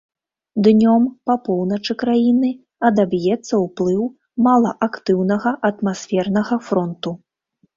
Днём па поўначы краіны адаб'ецца ўплыў малаактыўнага атмасфернага фронту.